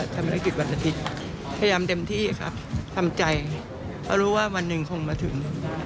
ทำภารกิจวันอาทิตย์พยายามเต็มที่ครับทำใจเพราะรู้ว่าวันหนึ่งคงมาถึงได้